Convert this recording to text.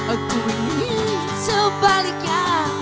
aku ingin sebaliknya